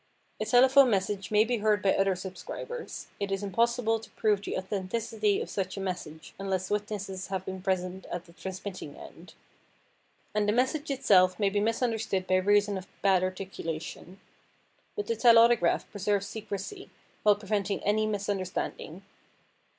A telephone message may be heard by other subscribers; it is impossible to prove the authenticity of such a message unless witnesses have been present at the transmitting end; and the message itself may be misunderstood by reason of bad articulation. But the telautograph preserves secrecy while preventing any misunderstanding.